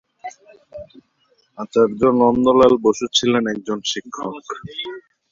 আচার্য নন্দলাল বসু ছিলেন তার শিক্ষক।